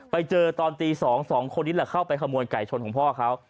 ไปเจอตอนตี๒สองคนนี้แหละเข้าไปขโมยไก่ชนของพ่อเขา